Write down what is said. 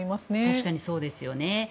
確かにそうですよね。